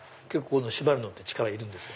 縛るのって力いるんですか？